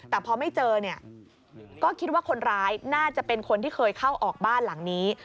แต่พอไม่เจอเนี่ยก็คิดว่าคนร้ายน่าจะเป็นคนที่เคยเข้าออกบ้านหลังนี้